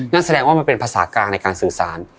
นั่นแสดงว่ามันเป็นภาษากลางในการสื่อสาร